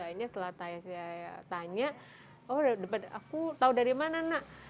akhirnya setelah saya tanya oh aku tahu dari mana nak